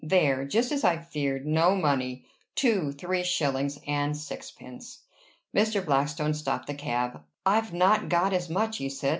"There! Just as I feared! No money! Two three shillings and sixpence!" Mr. Blackstone stopped the cab. "I've not got as much," he said.